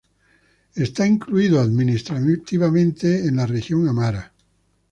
Es administrativamente incluido en la Región Amara.